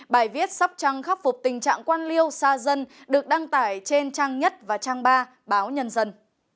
bài viết sắp trăng khắc phục tình trạng quan liêu xa dân được đăng tải trên trang nhất và trang ba báo nhân dân